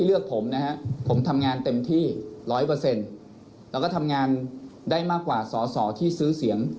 แล้วก็ทำงานได้มากกว่าสอที่ซื้อเสียง